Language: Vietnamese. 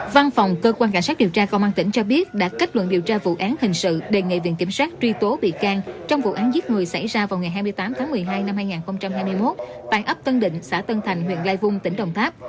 văn phòng cơ quan cảnh sát điều tra công an tỉnh cho biết đã kết luận điều tra vụ án hình sự đề nghị viện kiểm sát truy tố bị can trong vụ án giết người xảy ra vào ngày hai mươi tám tháng một mươi hai năm hai nghìn hai mươi một tại ấp tân định xã tân thành huyện lai vung tỉnh đồng tháp